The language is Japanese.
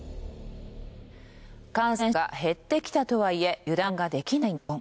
感染者が減ってきたとはいえ油断ができない日本。